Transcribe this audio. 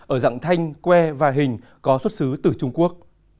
ở dạng thanh que và hình có xuất xứ từ trung quốc